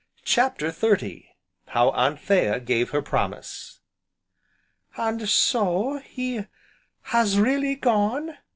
CHAPTER XXX How Anthea gave her promise "And so he has really gone!"